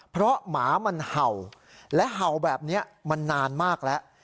เพราะหมามันเห่าและเห่าแบบนี้มันนานมากแล้ว